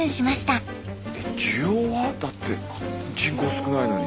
だって人口少ないのに。